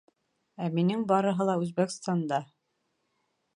Ә минең барыһы ла Үзбәкстанда...